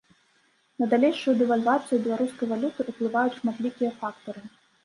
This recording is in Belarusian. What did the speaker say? На далейшую дэвальвацыю беларускай валюты ўплываюць шматлікія фактары.